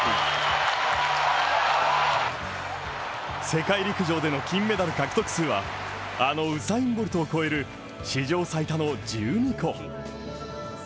世界陸上での金メダル獲得数は、あのウサイン・ボルトを超える、史上最多の１２個。